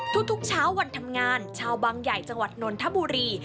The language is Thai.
ทุกเช้าวันทำงานชาวบางใหญ่จังหวัดนนทบุรี